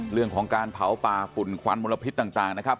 เรื่องของการเผาป่าฝุ่นควันมลพิษต่างนะครับ